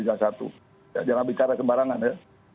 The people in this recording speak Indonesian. jangan bicara sembarangan ya